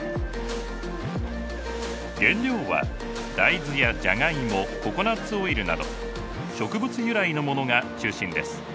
原料は大豆やジャガイモココナツオイルなど植物由来のものが中心です。